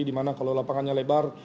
di mana kalau lapangannya lebar